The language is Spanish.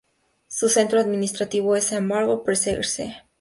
Su centro administrativo es Hermagor-Pressegger See.